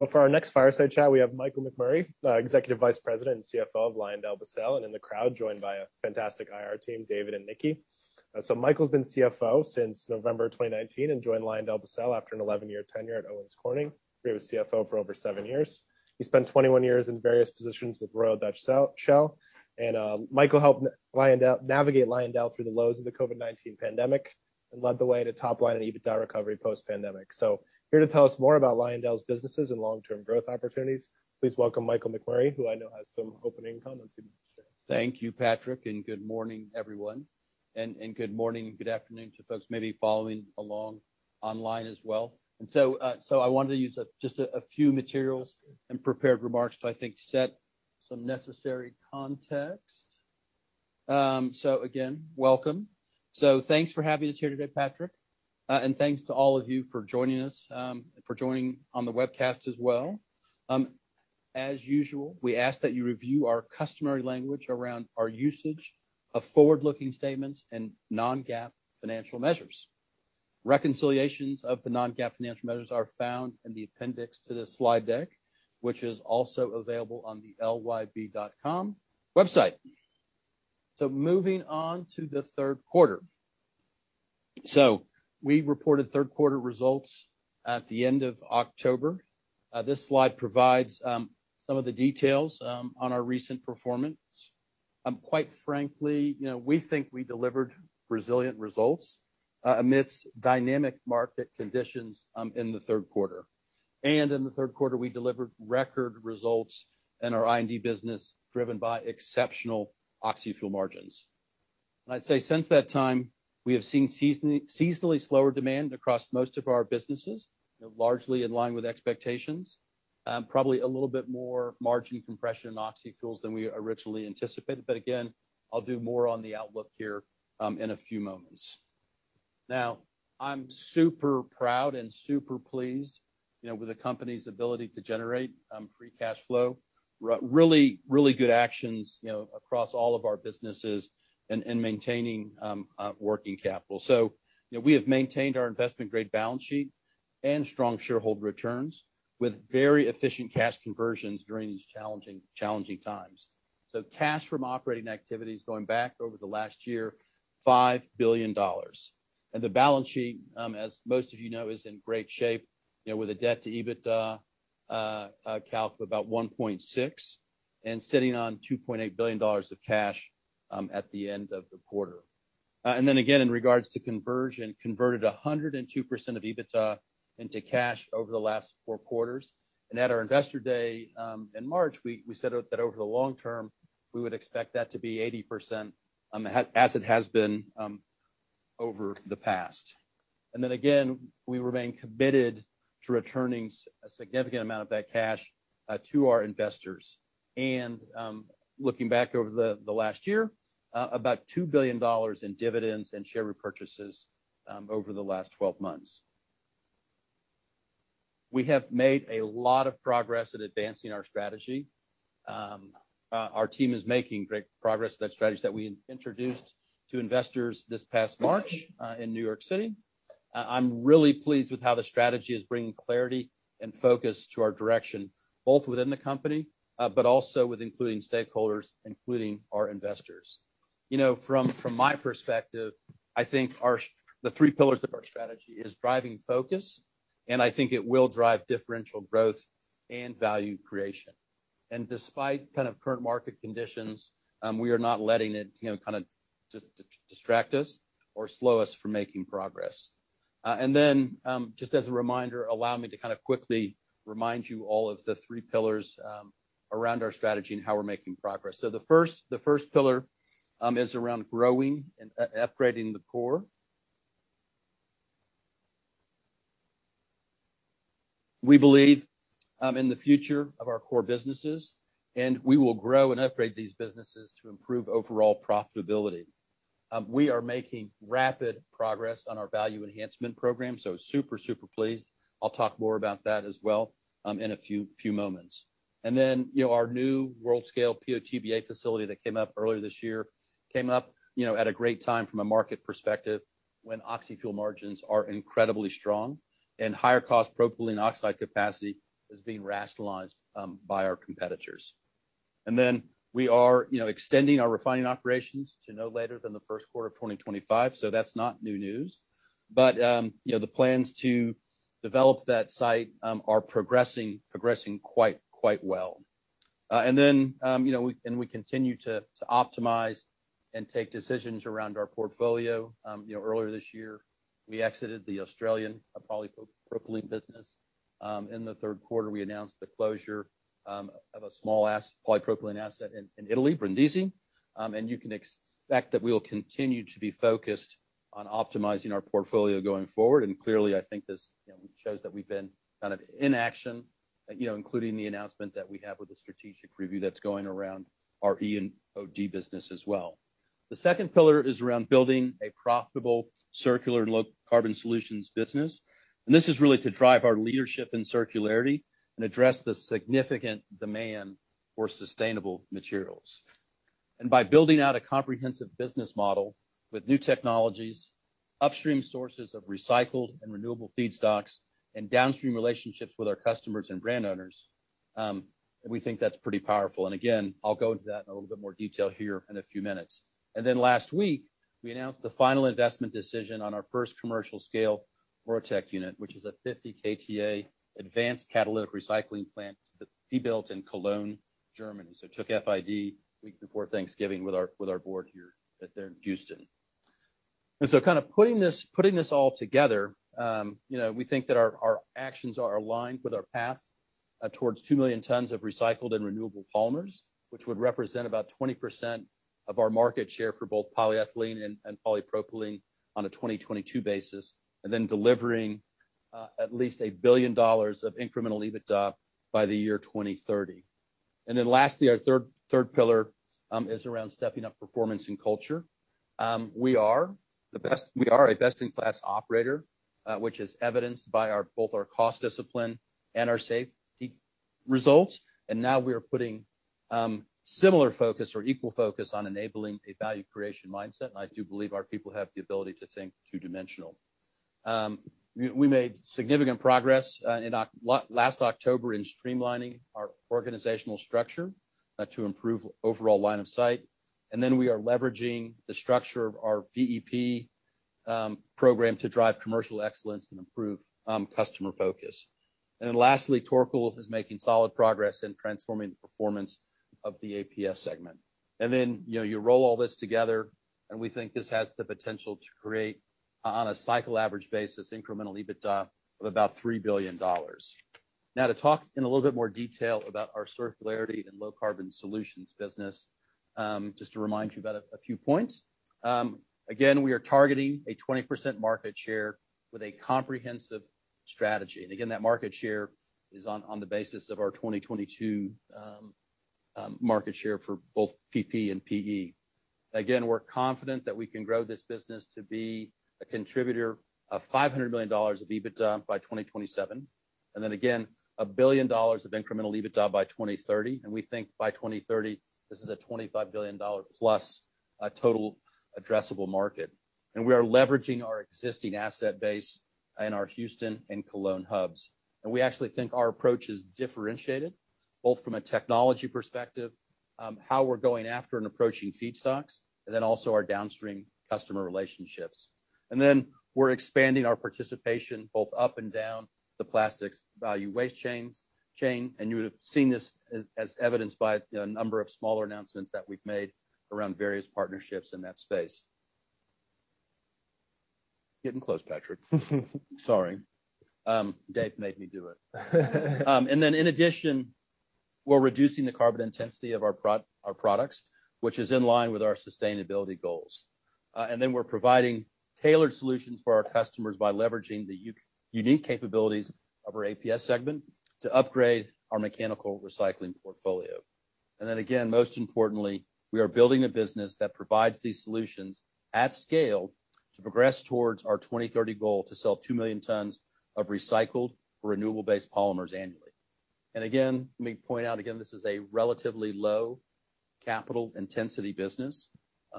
Well, for our next fireside chat, we have Michael McMurray, Executive Vice President and CFO of LyondellBasell, and in the crowd, joined by a fantastic IR team, David and Nikki. So Michael's been CFO since November 2019, and joined LyondellBasell after an 11-year tenure at Owens Corning, where he was CFO for over seven years. He spent 21 years in various positions with Royal Dutch Shell, and, Michael helped LyondellBasell navigate LyondellBasell through the lows of the COVID-19 pandemic and led the way to top line and EBITDA recovery post-pandemic. So here to tell us more about Lyondell's businesses and long-term growth opportunities, please welcome Michael McMurray, who I know has some opening comments he'd like to share. Thank you, Patrick, and good morning, everyone. And good morning, and good afternoon to folks maybe following along online as well. So I wanted to use just a few materials and prepared remarks to, I think, set some necessary context. So again, welcome. So thanks for having us here today, Patrick, and thanks to all of you for joining us on the webcast as well. As usual, we ask that you review our customary language around our usage of forward-looking statements and non-GAAP financial measures. Reconciliations of the non-GAAP financial measures are found in the appendix to this slide deck, which is also available on the lyb.com website. So moving on to the third quarter. So we reported third quarter results at the end of October. This slide provides some of the details on our recent performance. Quite frankly, you know, we think we delivered resilient results amidst dynamic market conditions in the third quarter. In the third quarter, we delivered record results in our I&D business, driven by exceptional oxyfuel margins. I'd say since that time, we have seen seasonally slower demand across most of our businesses, largely in line with expectations, probably a little bit more margin compression in oxyfuels than we originally anticipated. Again, I'll do more on the outlook here in a few moments. Now, I'm super proud and super pleased, you know, with the company's ability to generate free cash flow. Really, really good actions, you know, across all of our businesses and maintaining working capital. So, you know, we have maintained our investment-grade balance sheet and strong shareholder returns with very efficient cash conversions during these challenging, challenging times. Cash from operating activities going back over the last year, $5 billion. The balance sheet, as most of you know, is in great shape, you know, with a debt to EBITDA calc of about 1.6 and sitting on $2.8 billion of cash at the end of the quarter. And then again, in regards to conversion, converted 102% of EBITDA into cash over the last four quarters. At our Investor Day in March, we, we said that over the long term, we would expect that to be 80%, as it has been over the past. Then again, we remain committed to returning a significant amount of that cash to our investors. Looking back over the last year, about $2 billion in dividends and share repurchases, over the last 12 months. We have made a lot of progress at advancing our strategy. Our team is making great progress with that strategy that we introduced to investors this past March in New York City. I'm really pleased with how the strategy is bringing clarity and focus to our direction, both within the company, but also with including stakeholders, including our investors. You know, from my perspective, I think our—the three pillars of our strategy is driving focus, and I think it will drive differential growth and value creation. Despite kind of current market conditions, we are not letting it, you know, kind of distract us or slow us from making progress. Then, just as a reminder, allow me to kind of quickly remind you all of the three pillars around our strategy and how we're making progress. The first pillar is around growing and upgrading the core. We believe in the future of our core businesses, and we will grow and upgrade these businesses to improve overall profitability. We are making rapid progress on our Value Enhancement Program, so super, super pleased. I'll talk more about that as well in a few moments. Then, you know, our new world-scale PO/TBA facility that came up earlier this year, came up, you know, at a great time from a market perspective, when oxyfuel margins are incredibly strong and higher cost propylene oxide capacity is being rationalized by our competitors. And then we are, you know, extending our refining operations to no later than the first quarter of 2025, so that's not new news. But, you know, the plans to develop that site are progressing quite well. And then, you know, we continue to optimize and take decisions around our portfolio. You know, earlier this year, we exited the Australian polypropylene business. In the third quarter, we announced the closure of a small polypropylene asset in Italy, Brindisi. You can expect that we will continue to be focused on optimizing our portfolio going forward. Clearly, I think this, you know, shows that we've been kind of in action, you know, including the announcement that we have with the strategic review that's going around our I&D business as well. The second pillar is around building a profitable Circular and Low Carbon Solutions business. This is really to drive our leadership in circularity and address the significant demand for sustainable materials and by building out a comprehensive business model with new technologies, upstream sources of recycled and renewable feedstocks, and downstream relationships with our customers and brand owners, we think that's pretty powerful. Again, I'll go into that in a little bit more detail here in a few minutes. And then last week, we announced the final investment decision on our first commercial scale MoReTec unit, which is a 50 KTA advanced catalytic recycling plant to be built in Cologne, Germany. So took FID week before Thanksgiving with our, with our board here at The Houstonian. So kind of putting this, putting this all together, you know, we think that our, our actions are aligned with our path towards 2 million tons of recycled and renewable polymers, which would represent about 20% of our market share for both polyethylene and, and polypropylene on a 2022 basis, and then delivering at least $1 billion of incremental EBITDA by the year 2030. And then lastly, our third, third pillar is around stepping up performance and culture. We are a best-in-class operator, which is evidenced by both our cost discipline and our safety results. Now we are putting similar focus or equal focus on enabling a value creation mindset, and I do believe our people have the ability to think two-dimensional. We made significant progress last October in streamlining our organizational structure to improve overall line of sight. Then we are leveraging the structure of our VEP program to drive commercial excellence and improve customer focus. Then lastly, Torkel is making solid progress in transforming the performance of the APS segment. Then, you know, you roll all this together, and we think this has the potential to create, on a cycle average basis, incremental EBITDA of about $3 billion. Now, to talk in a little bit more detail about our circularity and low carbon solutions business, just to remind you about a few points. Again, we are targeting a 20% market share with a comprehensive strategy. And again, that market share is on the basis of our 2022 market share for both PP and PE. Again, we're confident that we can grow this business to be a contributor of $500 million of EBITDA by 2027, and then again, $1 billion of incremental EBITDA by 2030. And we think by 2030, this is a $25 billion+ total addressable market. And we are leveraging our existing asset base in our Houston and Cologne hubs. We actually think our approach is differentiated, both from a technology perspective, how we're going after and approaching feedstocks, and then also our downstream customer relationships. We're expanding our participation both up and down the plastics value chain, and you would have seen this as evidenced by a number of smaller announcements that we've made around various partnerships in that space. Getting close, Patrick. Sorry. Dave made me do it. In addition, we're reducing the carbon intensity of our products, which is in line with our sustainability goals. We're providing tailored solutions for our customers by leveraging the unique capabilities of our APS segment to upgrade our mechanical recycling portfolio. And then again, most importantly, we are building a business that provides these solutions at scale to progress towards our 2030 goal to sell 2 million tons of recycled, renewable based polymers annually. And again, let me point out again, this is a relatively low capital intensity business.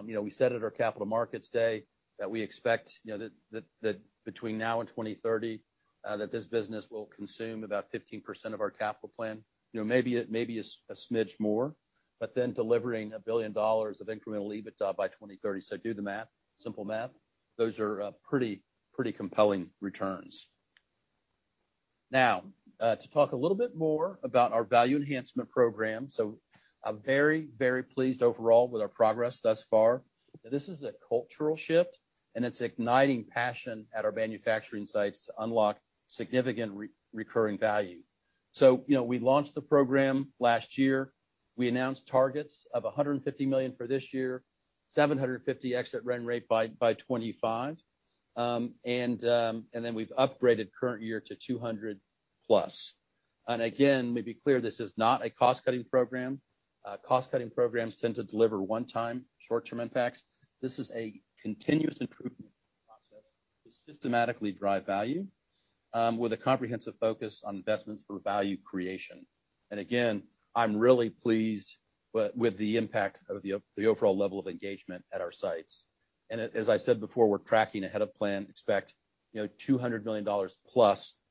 You know, we said at our Capital Markets Day that we expect, you know, that between now and 2030, that this business will consume about 15% of our capital plan. You know, maybe a smidge more, but then delivering $1 billion of incremental EBITDA by 2030. So do the math, simple math. Those are pretty compelling returns. Now, to talk a little bit more about our Value Enhancement Program. So I'm very, very pleased overall with our progress thus far. This is a cultural shift, and it's igniting passion at our manufacturing sites to unlock significant recurring value. So, you know, we launched the program last year. We announced targets of $150 million for this year, 750 exit run rate by 2025. And then we've upgraded current year to $200+. And again, let me be clear, this is not a cost-cutting program. Cost-cutting programs tend to deliver one-time, short-term impacts. This is a continuous improvement process to systematically drive value, with a comprehensive focus on investments for value creation. And again, I'm really pleased with the impact of the overall level of engagement at our sites. And as I said before, we're tracking ahead of plan, expect you know $200 million+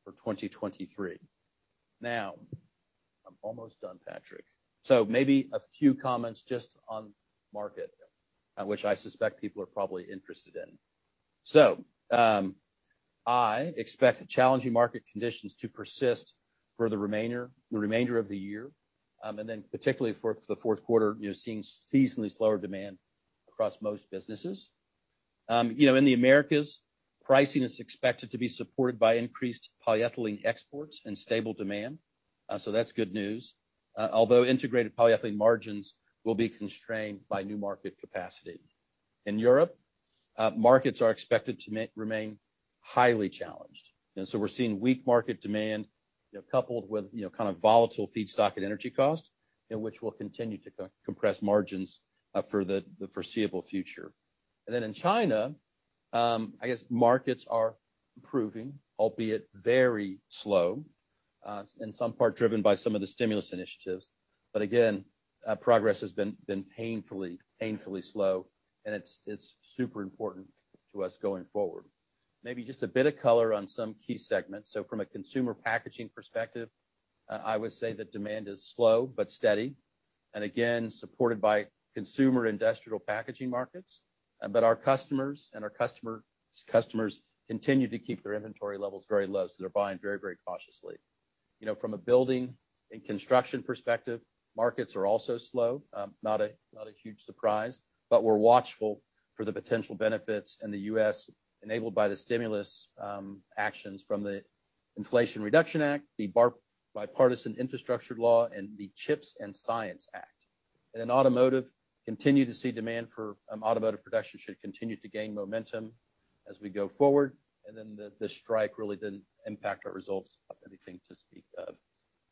for 2023. Now—I'm almost done, Patrick. So maybe a few comments just on market, which I suspect people are probably interested in. So, I expect challenging market conditions to persist for the remainder of the year, and then particularly for the fourth quarter, you know, seeing seasonally slower demand across most businesses. You know, in the Americas, pricing is expected to be supported by increased polyethylene exports and stable demand, so that's good news. Although integrated polyethylene margins will be constrained by new market capacity. In Europe, markets are expected to remain highly challenged, and so we're seeing weak market demand, you know, coupled with, you know, kind of volatile feedstock and energy costs, and which will continue to compress margins, for the foreseeable future. And then in China, I guess markets are improving, albeit very slow. In some part driven by some of the stimulus initiatives. But again, progress has been painfully slow, and it's super important to us going forward. Maybe just a bit of color on some key segments. So from a consumer packaging perspective, I would say that demand is slow but steady, and again, supported by consumer industrial packaging markets. But our customers and our customer's customers continue to keep their inventory levels very low, so they're buying very, very cautiously. You know, from a building and construction perspective, markets are also slow. Not a huge surprise, but we're watchful for the potential benefits in the U.S. enabled by the stimulus actions from the Inflation Reduction Act, the Bipartisan Infrastructure Law, and the CHIPS and Science Act. And in automotive, continue to see demand for, automotive production should continue to gain momentum as we go forward, and then the strike really didn't impact our results, not anything to speak of.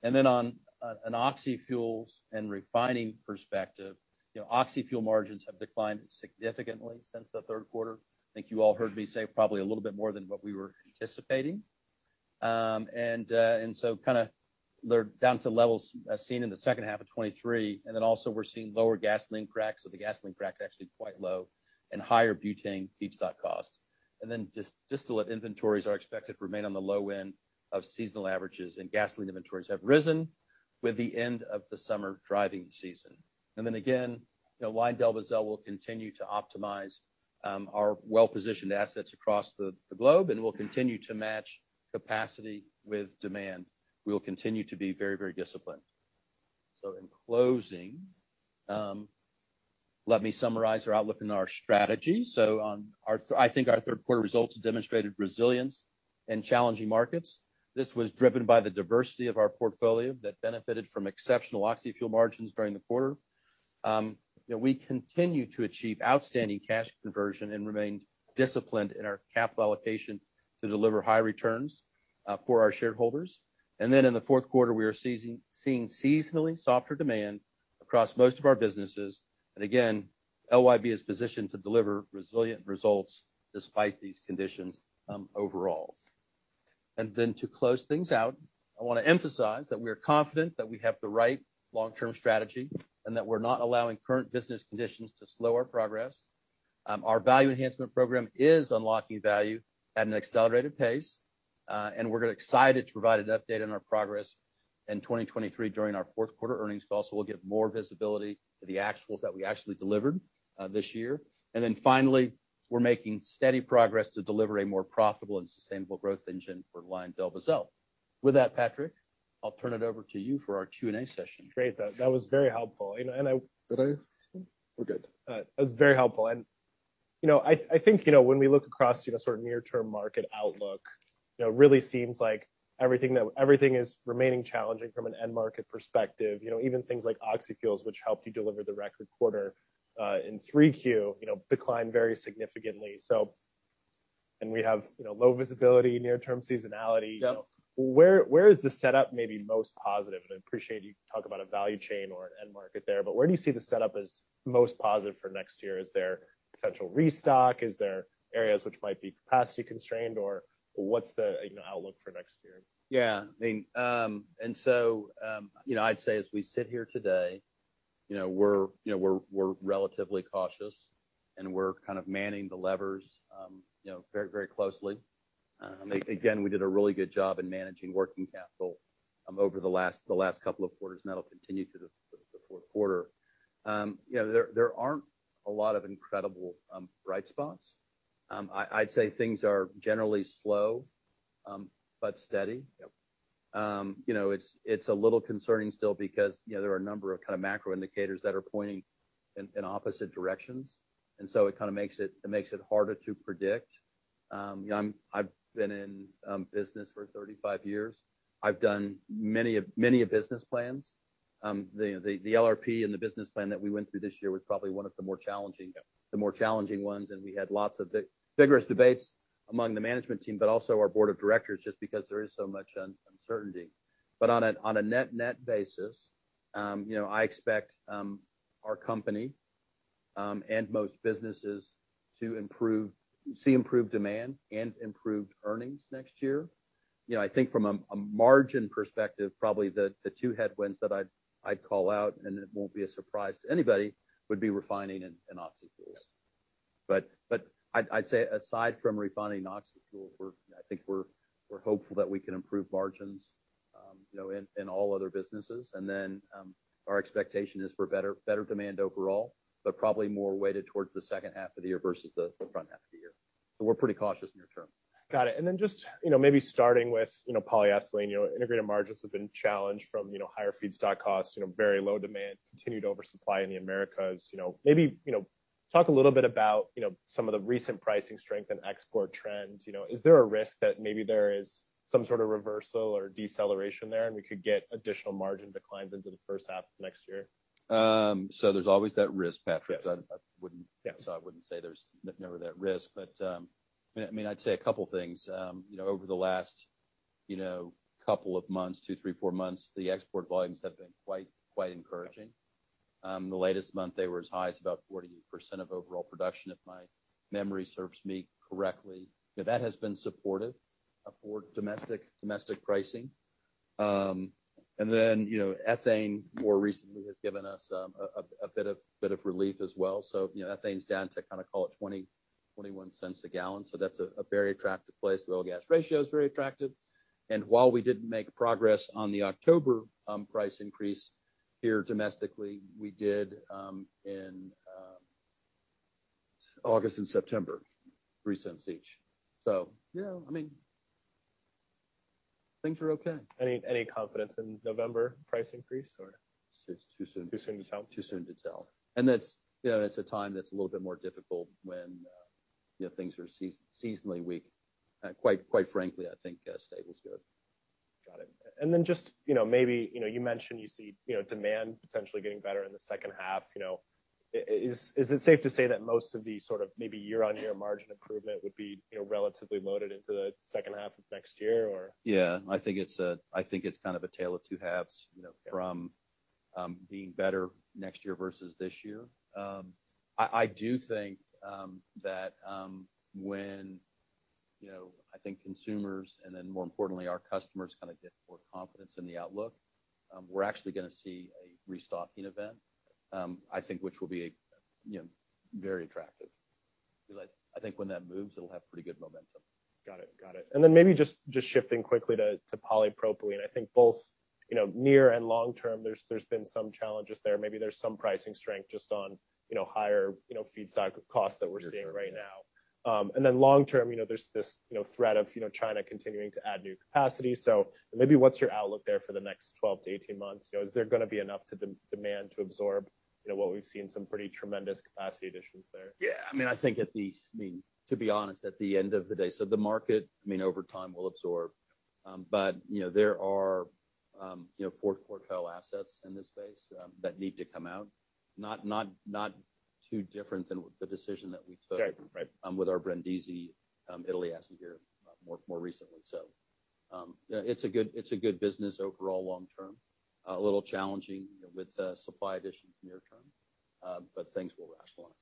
And then on an oxyfuels and refining perspective, you know, Oxyfuel margins have declined significantly since the third quarter. I think you all heard me say probably a little bit more than what we were anticipating. So kinda they're down to levels seen in the second half of 2023. And then also we're seeing lower gasoline cracks, so the gasoline cracks are actually quite low and higher butane feedstock costs. And then distillate inventories are expected to remain on the low end of seasonal averages, and gasoline inventories have risen with the end of the summer driving season. And then again, you know, LyondellBasell will continue to optimize our well-positioned assets across the globe, and we'll continue to match capacity with demand. We will continue to be very, very disciplined. So in closing, let me summarize our outlook and our strategy. So I think our third quarter results demonstrated resilience in challenging markets. This was driven by the diversity of our portfolio that benefited from exceptional oxyfuel margins during the quarter. You know, we continue to achieve outstanding cash conversion and remained disciplined in our capital allocation to deliver high returns for our shareholders. Then in the fourth quarter, we are seeing seasonally softer demand across most of our businesses. Again, LYB is positioned to deliver resilient results despite these conditions, overall. And then to close things out, I wanna emphasize that we are confident that we have the right long-term strategy, and that we're not allowing current business conditions to slow our progress. Our Value Enhancement Program is unlocking value at an accelerated pace, and we're excited to provide an update on our progress in 2023 during our fourth quarter earnings call, so we'll give more visibility to the actuals that we actually delivered, this year. And then finally, we're making steady progress to deliver a more profitable and sustainable growth engine for LyondellBasell. With that, Patrick, I'll turn it over to you for our Q&A session. Great, that was very helpful. I. Did I? We're good. That was very helpful. You know, I think, you know, when we look across, you know, sort of near-term market outlook, you know, really seems like everything is remaining challenging from an end market perspective. You know, even things like oxyfuels, which helped you deliver the record quarter in 3Q, you know, declined very significantly. So—and we have, you know, low visibility, near-term seasonality. Yep. Where, where is the setup maybe most positive? And I appreciate you talk about a value chain or an end market there, but where do you see the setup as most positive for next year? Is there potential restock? Is there areas which might be capacity constrained, or what's the, you know, outlook for next year? Yeah. I mean, and so, you know, I'd say as we sit here today, you know, we're relatively cautious, and we're kind of manning the levers, you know, very, very closely. Again, we did a really good job in managing working capital over the last couple of quarters, and that'll continue to the fourth quarter. You know, there aren't a lot of incredible bright spots. I'd say things are generally slow, but steady. Yep. You know, it's a little concerning still because, you know, there are a number of kind of macro indicators that are pointing in opposite directions, and so it kind of makes it harder to predict. You know, I've been in business for 35 years. I've done many a business plans. The LRP and the business plan that we went through this year was probably one of the more challenging. Yep The more challenging ones, and we had lots of vigorous debates among the management team, but also our board of directors, just because there is so much uncertainty. But on a net-net basis, you know, I expect our company and most businesses to improve, see improved demand and improved earnings next year. You know, I think from a margin perspective, probably the two headwinds that I'd call out, and it won't be a surprise to anybody, would be refining and oxyfuels. Yep. But I'd say aside from refining and oxyfuels, we're hopeful that we can improve margins, you know, in all other businesses. And then, our expectation is for better demand overall, but probably more weighted towards the second half of the year versus the front half of the year. So we're pretty cautious near term. Got it. And then just, you know, maybe starting with, you know, polyethylene, you know, integrated margins have been challenged from, you know, higher feedstock costs, you know, very low demand, continued oversupply in the Americas. You know, maybe, you know, talk a little bit about, you know, some of the recent pricing strength and export trends. You know, is there a risk that maybe there is some sort of reversal or deceleration there, and we could get additional margin declines into the first half of next year? So there's always that risk, Patrick. Yes. I wouldn't. Yeah So I wouldn't say there's never that risk. But, I mean, I'd say a couple things. You know, over the last, you know, couple of months, 2, 3, 4 months, the export volumes have been quite encouraging. The latest month, they were as high as about 48% of overall production, if my memory serves me correctly. But that has been supportive for domestic pricing. And then, you know, ethane more recently has given us a bit of relief as well. So, you know, ethane's down to kind of call it $0.20-$0.21 a gallon. So that's a very attractive place. The oil gas ratio is very attractive, and while we didn't make progress on the October price increase here domestically, we did in August and September, $0.03 each. You know, I mean, things are okay. Any confidence in November price increase, or? It's too soon. Too soon to tell? Too soon to tell. And that's, you know, that's a time that's a little bit more difficult when, you know, things are seasonally weak. Quite frankly, I think stable is good. Got it. And then just, you know, maybe, you know, you mentioned you see, you know, demand potentially getting better in the second half, you know, is it safe to say that most of the sort of maybe year-on-year margin improvement would be, you know, relatively loaded into the second half of next year, or? Yeah, I think it's kind of a tale of two halves, you know, from being better next year versus this year. I do think that when, you know, I think consumers, and then more importantly, our customers kind of get more confidence in the outlook, we're actually gonna see a restocking event, I think which will be, you know, very attractive. I think when that moves, it'll have pretty good momentum. Got it. Got it. And then maybe just, just shifting quickly to, to polypropylene. I think both, you know, near and long term, there's, there's been some challenges there. Maybe there's some pricing strength just on, you know, higher, you know, feedstock costs that we're. Sure. Seeing right now. And then long term, you know, there's this, you know, threat of, you know, China continuing to add new capacity. So maybe what's your outlook there for the next 12-18 months? You know, is there gonna be enough demand to absorb, you know, what we've seen, some pretty tremendous capacity additions there? Yeah, I mean, I think at the—I mean, to be honest, at the end of the day, so the market, I mean, over time, will absorb. But, you know, there are, you know, fourth quartile assets in this space, that need to come out, not, not, not too different than the decision that we took. Right. Right. with our Brindisi, Italy asset here, more recently. So, yeah, it's a good business overall long term. A little challenging, you know, with supply additions near term, but things will rationalize.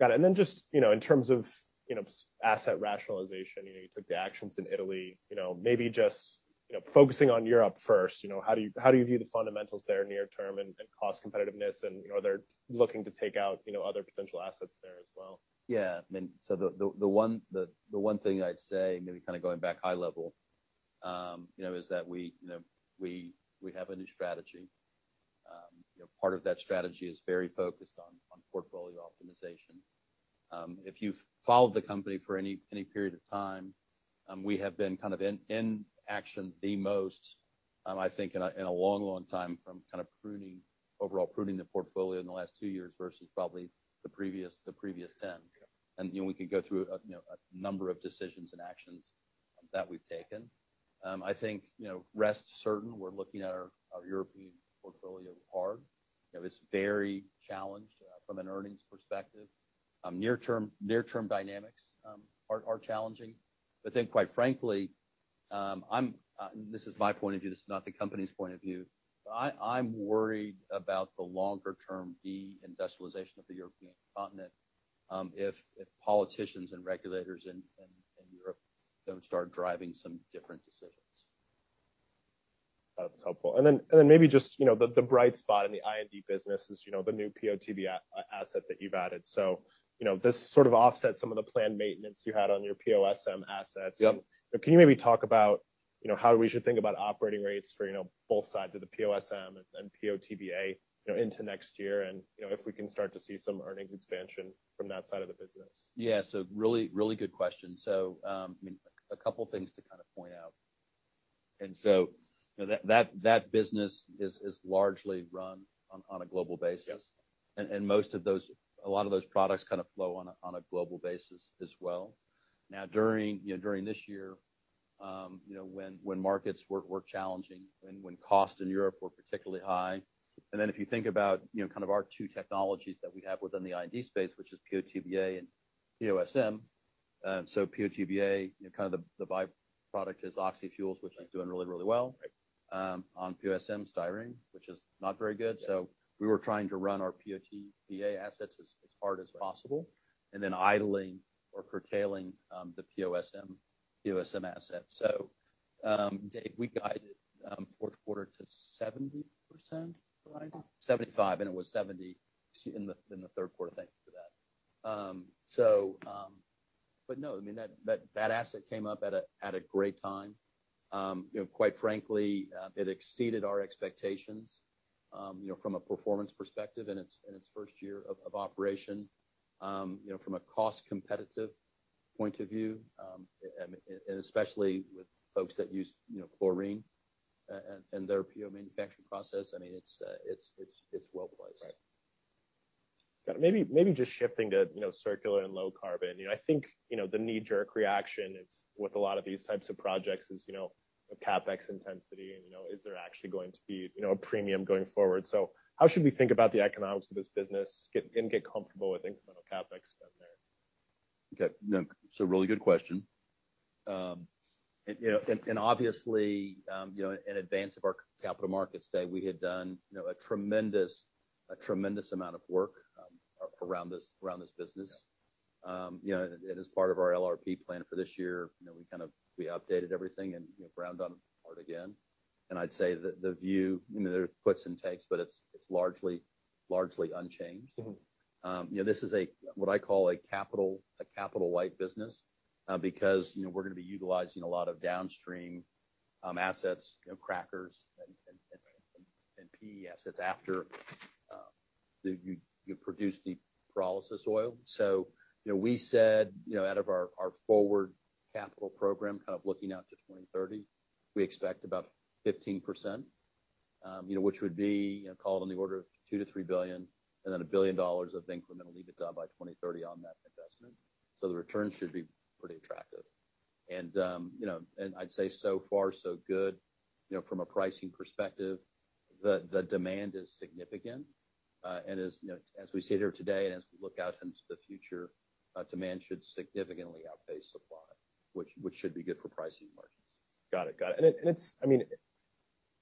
Got it, and then just, you know, in terms of, you know, asset rationalization, you know, you took the actions in Italy, you know, maybe just, you know, focusing on Europe first, you know, how do you, how do you view the fundamentals there near term and, and cost competitiveness? You know, they're looking to take out, you know, other potential assets there as well. Yeah, I mean, so the one thing I'd say, maybe kind of going back high level, you know, is that we, you know, we have a new strategy. You know, part of that strategy is very focused on portfolio optimization. If you've followed the company for any period of time, we have been kind of in action the most, I think in a long time, from kind of pruning—overall pruning the portfolio in the last two years versus probably the previous ten. Yeah. You know, we could go through a number of decisions and actions that we've taken. I think, you know, rest assured, we're looking at our European portfolio hard. You know, it's very challenged from an earnings perspective. Near-term dynamics are challenging, but then, quite frankly, this is my point of view, this is not the company's point of view. I'm worried about the longer-term deindustrialization of the European continent if politicians and regulators in Europe don't start driving some different decisions. That's helpful. And then maybe just, you know, the bright spot in the I&D business is, you know, the new PO/TBA asset that you've added. So, you know, this sort of offsets some of the planned maintenance you had on your PO/SM assets. Yep. Can you maybe talk about, you know, how we should think about operating rates for, you know, both sides of the PO/SM and, and PO/TBA, you know, into next year and, you know, if we can start to see some earnings expansion from that side of the business? Yeah, so really, really good question. So, I mean, a couple things to kind of point out, and so, you know, that business is largely run on a global basis. Yep. And most of those—a lot of those products kind of flow on a global basis as well. Now, during you know, during this year, you know, when markets were challenging and when costs in Europe were particularly high, and then if you think about, you know, kind of our two technologies that we have within the I&D space, which is PO/TBA and PO/SM. So PO/TBA, you know, kind of the by-product is oxyfuels, which is doing really well. Right. On PO/SM styrene, which is not very good. Yeah. So we were trying to run our PO/TBA assets as hard as possible and then idling or curtailing the PO/SM assets. So, Dave, we guided fourth quarter to 70%, right? 75%, and it was 70% in the third quarter. Thank you for that. But no, I mean, that asset came up at a great time. You know, quite frankly, it exceeded our expectations, you know, from a performance perspective in its first year of operation. You know, from a cost-competitive point of view, and especially with folks that use, you know, chlorine and their PO manufacturing process, I mean, it's well placed. Right. Got it. Maybe just shifting to, you know, Circular and Low Carbon. You know, I think, you know, the knee-jerk reaction it's, with a lot of these types of projects is, you know, the CapEx intensity and, you know, is there actually going to be, you know, a premium going forward? So how should we think about the economics of this business and get comfortable with incremental CapEx spend there? Okay, no, it's a really good question. You know, and, and obviously, you know, in advance of our capital markets day, we had done, you know, a tremendous, a tremendous amount of work, around this, around this business. You know, and as part of our LRP plan for this year, you know, we kind of, we updated everything and, you know, ground on it part again. And I'd say that the view, you know, there are puts and takes, but it's, it's largely, largely unchanged. You know, this is what I call a capital light business, because, you know, we're going to be utilizing a lot of downstream assets, you know, crackers and PE assets after you produce the pyrolysis oil. So, you know, we said, you know, out of our forward capital program, kind of looking out to 2030, we expect about 15%, you know, which would be, you know, on the order of $2 billion-$3 billion and then $1 billion of incremental EBITDA by 2030 on that investment. So the return should be pretty attractive. You know, I'd say so far, so good. You know, from a pricing perspective, the demand is significant, and as you know, as we sit here today, and as we look out into the future, demand should significantly outpace supply, which should be good for pricing markets. Got it. Got it. It's—I mean,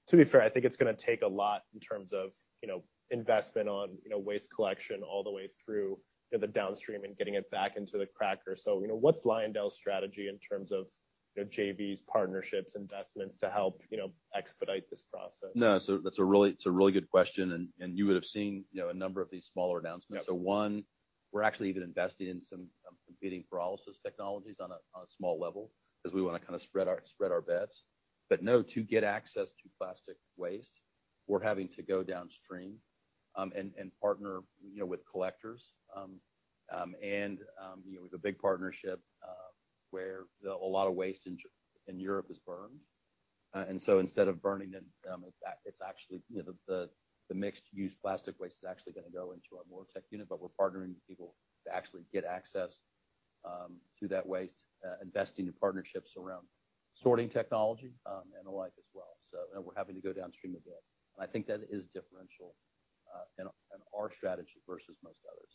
to be fair, I think it's gonna take a lot in terms of, you know, investment on, you know, waste collection all the way through, you know, the downstream and getting it back into the cracker. So, you know, what's Lyondell's strategy in terms of, you know, JVs, partnerships, investments to help, you know, expedite this process? No, so that's a really—it's a really good question, and you would have seen, you know, a number of these smaller announcements. Yeah. So one, we're actually even investing in some competing pyrolysis technologies on a small level, 'cause we wanna kind of spread our bets. But no, to get access to plastic waste, we're having to go downstream and partner, you know, with collectors. You know, with a big partnership, where a lot of waste in Europe is burned. So instead of burning it, it's actually, you know, the mixed-use plastic waste is actually gonna go into our MoReTec unit, but we're partnering with people to actually get access to that waste, investing in partnerships around sorting technology and the like as well. So, and we're happy to go downstream a bit, and I think that is differential in our strategy versus most others.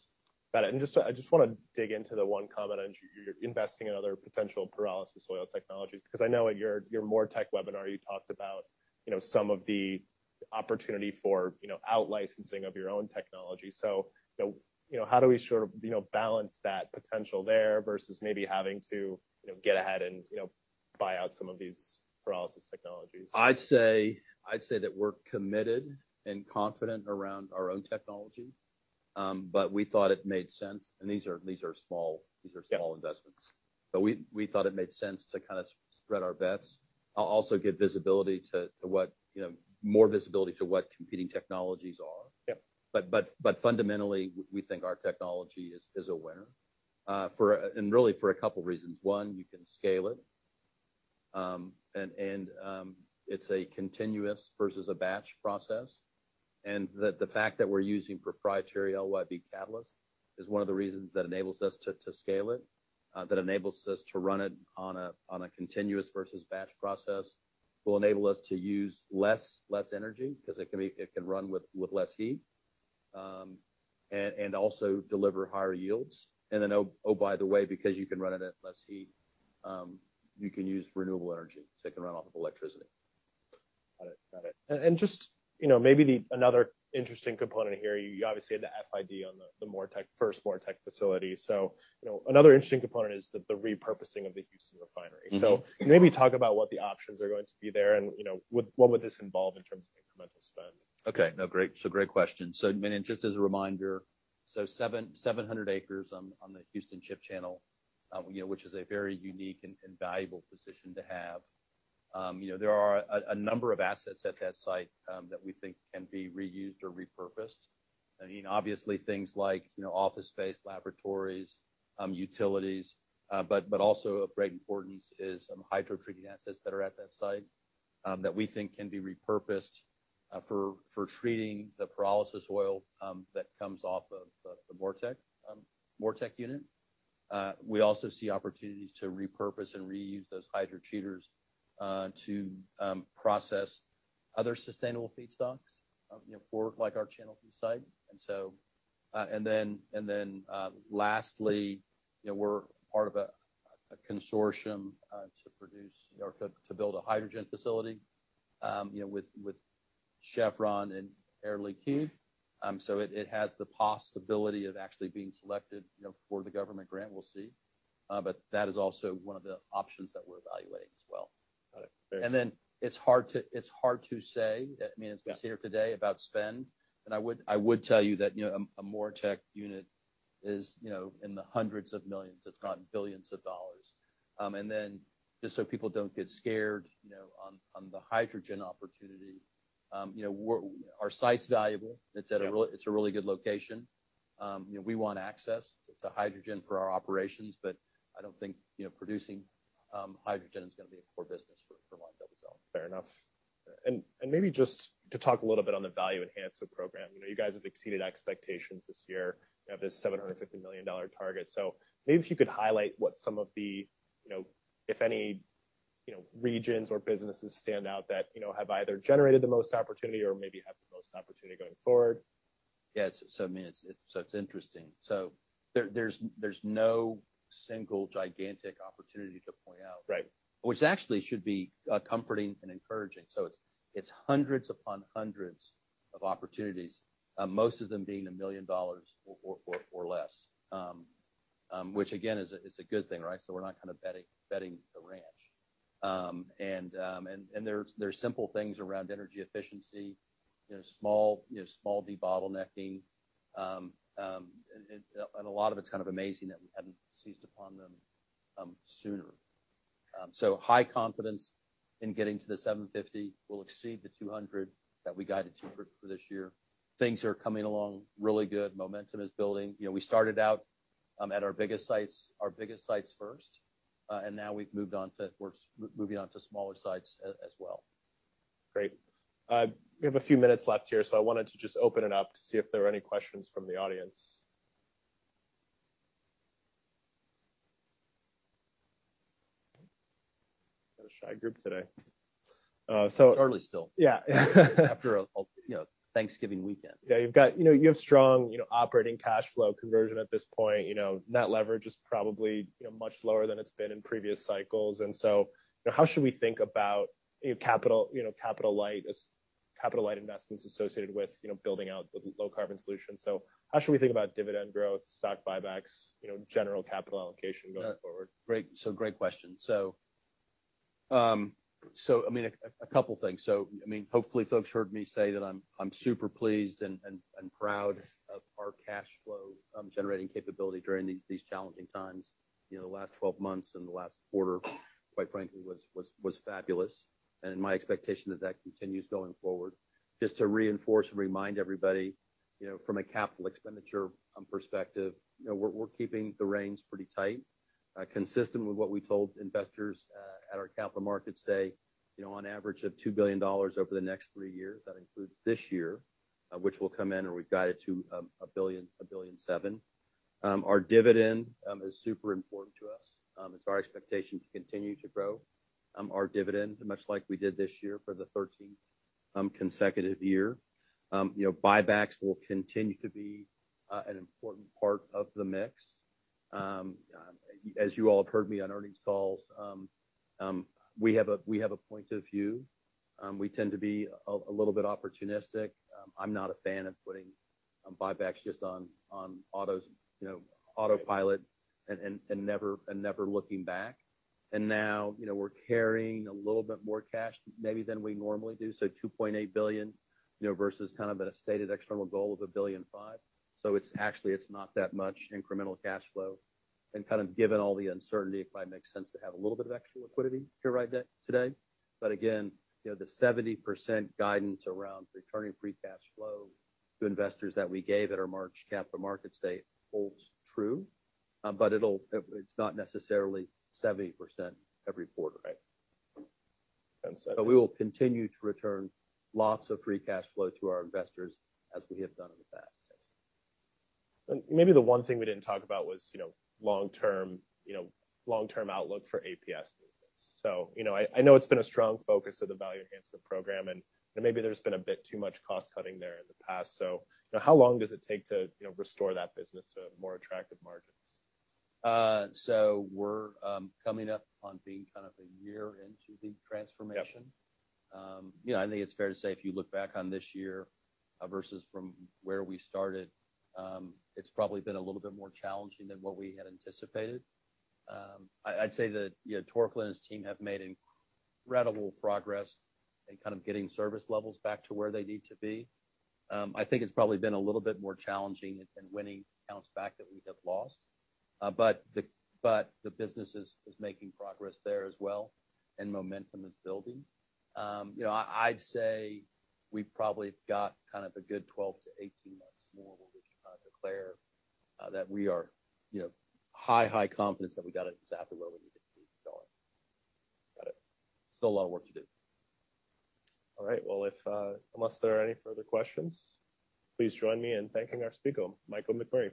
Got it. And I just wanna dig into the one comment, and you're investing in other potential pyrolysis oil technologies, 'cause I know in your MoReTec webinar, you talked about, you know, some of the opportunity for, you know, out licensing of your own technology. So, you know, how do we sort of, you know, balance that potential there versus maybe having to, you know, get ahead and, you know, buy out some of these pyrolysis technologies? I'd say that we're committed and confident around our own technology, but we thought it made sense, and these are small. Yeah These are small investments. But we thought it made sense to kind of spread our bets. Also give visibility to what, you know, more visibility to what competing technologies are. Yeah. But fundamentally, we think our technology is a winner, for and really for a couple reasons. One, you can scale it, and it's a continuous versus a batch process, and that the fact that we're using proprietary LYB catalyst is one of the reasons that enables us to scale it, that enables us to run it on a continuous versus batch process. Will enable us to use less energy, 'cause it can run with less heat, and also deliver higher yields. And then, by the way, because you can run it at less heat, you can use renewable energy. So it can run off of electricity. Got it. Just, you know, maybe another interesting component here. You obviously had the FID on the MoReTec, first MoReTec facility. So, you know, another interesting component is the repurposing of the Houston Refinery. Maybe talk about what the options are going to be there, and, you know, what would this involve in terms of incremental spend? Okay. No, great. So great question. So, I mean, just as a reminder, so 700 acres on the Houston Ship Channel, you know, which is a very unique and valuable position to have. You know, there are a number of assets at that site that we think can be reused or repurposed. I mean, obviously things like, you know, office space, laboratories, utilities, but also of great importance is hydrotreating assets that are at that site that we think can be repurposed for treating the Pyrolysis Oil that comes off of the MoReTec unit. We also see opportunities to repurpose and reuse those hydrotreaters to process other sustainable feedstocks, you know, for like our Channelview site. So. Then lastly, you know, we're part of a consortium to produce or to build a hydrogen facility, you know, with Chevron and Air Liquide. So it has the possibility of actually being selected, you know, for the government grant. We'll see. But that is also one of the options that we're evaluating as well. Got it. Very. Then it's hard to, it's hard to say, I mean, Yeah As we sit here today about spend, and I would, I would tell you that, you know, a MoReTec unit is, you know, in the hundreds of millions, it's not billions of dollars. And then, just so people don't get scared, you know, on the hydrogen opportunity, you know, we're, our site's valuable. Yeah. It's a really good location. You know, we want access to hydrogen for our operations, but I don't think, you know, producing hydrogen is gonna be a core business for LyondellBasell. Fair enough. And maybe just to talk a little bit on the Value Enhancement Program. You know, you guys have exceeded expectations this year. You have this $750 million target. So maybe if you could highlight what some of the, you know, if any, you know, regions or businesses stand out that, you know, have either generated the most opportunity or maybe have the most opportunity going forward? Yes, so I mean, it's interesting. So there's no single gigantic opportunity to point out. Right. Which actually should be comforting and encouraging. So it's hundreds upon hundreds of opportunities, most of them being $1 million or less. Which again is a good thing, right? So we're not kind of betting the ranch. And there's simple things around energy efficiency, you know, small debottlenecking. And a lot of it's kind of amazing that we hadn't seized upon them sooner. So high confidence in getting to the $750 million will exceed the $200 million that we guided to for this year. Things are coming along really good. Momentum is building. You know, we started out at our biggest sites first, and now we're moving on to smaller sites as well. Great. We have a few minutes left here, so I wanted to just open it up to see if there are any questions from the audience. Got a shy group today, so. Early still. Yeah. After you know, Thanksgiving weekend. Yeah, you've got—you know, you have strong, you know, operating cash flow conversion at this point. You know, net leverage is probably, you know, much lower than it's been in previous cycles. And so, you know, how should we think about, you know, capital, you know, capital light as capital light investments associated with, you know, building out the low-carbon solutions? So how should we think about dividend growth, stock buybacks, you know, general capital allocation going forward? Great. So great question. So, I mean, a couple things. So, I mean, hopefully, folks heard me say that I'm super pleased and proud of our cash flow generating capability during these challenging times. You know, the last 12 months and the last quarter, quite frankly, was fabulous, and my expectation that that continues going forward. Just to reinforce and remind everybody, you know, from a capital expenditure perspective, you know, we're keeping the reins pretty tight, consistent with what we told investors at our capital markets day, you know, on average of $2 billion over the next 3 years. That includes this year, which will come in, and we've guided to $1.007 billion. Our dividend is super important to us. It's our expectation to continue to grow our dividend, much like we did this year for the thirteenth consecutive year. You know, buybacks will continue to be an important part of the mix. As you all have heard me on earnings calls, we have a point of view. We tend to be a little bit opportunistic. I'm not a fan of putting buybacks just on autos, you know, autopilot and never looking back. Now, you know, we're carrying a little bit more cash maybe than we normally do, so $2.8 billion, you know, versus kind of at a stated external goal of $1.5 billion. So it's actually not that much incremental cash flow. Kind of given all the uncertainty, it quite makes sense to have a little bit of extra liquidity here right there, today. But again, you know, the 70% guidance around returning free cash flow to investors that we gave at our March capital markets day holds true, but it'll—it's not necessarily 70% every quarter. Right. And so. We will continue to return lots of free cash flow to our investors as we have done in the past. Yes. Maybe the one thing we didn't talk about was, you know, long-term, you know, long-term outlook for APS business. So, you know, I know it's been a strong focus of the Value Enhancement Program, and maybe there's been a bit too much cost-cutting there in the past. So, you know, how long does it take to, you know, restore that business to more attractive margins? So we're coming up on being kind of a year into the transformation. Yeah. You know, I think it's fair to say if you look back on this year versus from where we started, it's probably been a little bit more challenging than what we had anticipated. I'd say that, you know, Torkel and his team have made incredible progress in kind of getting service levels back to where they need to be. I think it's probably been a little bit more challenging in winning accounts back that we have lost. But the business is making progress there as well, and momentum is building. You know, I'd say we've probably got kind of a good 12-18 months more where we should declare that we are, you know, high, high confidence that we got it exactly where we need it to be going. Got it. Still a lot of work to do. All right. Well, if unless there are any further questions, please join me in thanking our speaker, Michael McMurray.